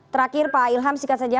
terakhir pak ilham singkat saja